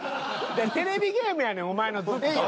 テレビゲームやねんお前のずっと。